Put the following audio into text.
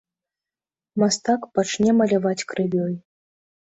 Мастак пачне маляваць крывёй.